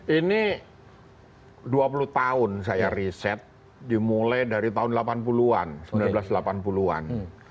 ini dua puluh tahun saya riset dimulai dari tahun delapan puluh an seribu sembilan ratus delapan puluh an